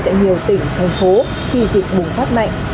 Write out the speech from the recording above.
tại nhiều tỉnh thành phố khi dịch bùng phát mạnh